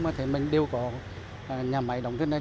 mà thể mệnh đều có nhà máy đóng thế này